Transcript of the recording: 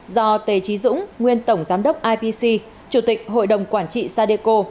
do tề trí dũng nguyên tổng giám đốc ipc chủ tịch hội đồng quản trị sadeco